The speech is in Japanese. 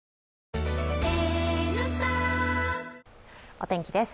お天気です。